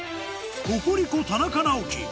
ココリコ・田中直樹